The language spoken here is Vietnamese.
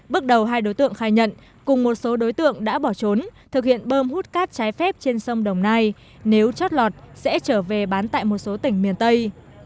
bước đầu hai đối tượng khai nhận cùng một số đối tượng đã bỏ trốn thực hiện bơm hút cát trái phép trên sông đồng nai nếu chót lọt sẽ trở về bán tại một số tỉnh miền tây